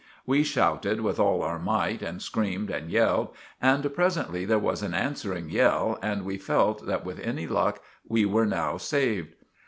We shouted with all our might and screamed and yelled, and presently there was an ansering yell and we fealt that with any luck we were now saved.